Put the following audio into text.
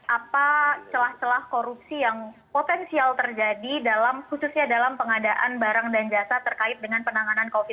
apa celah celah korupsi yang potensial terjadi dalam khususnya dalam pengadaan barang dan jasa terkait dengan penanganan covid sembilan belas